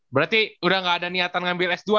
berarti udah gak ada niatan ngambil s dua